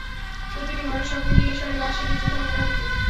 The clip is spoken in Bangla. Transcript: প্রতিটা মানুষ সপ্ন নিয়ে এই শহরে আসে, বেঁচে থাকার তাগিদে।